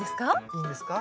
いいんですか？